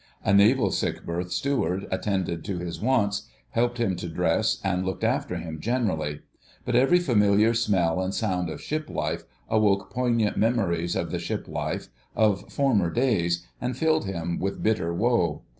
A Naval Sick berth Steward attended to his wants, helped him to dress, and looked after him generally. But every familiar smell and sound of ship life awoke poignant memories of the ship life of former days, and filled him with bitter woe.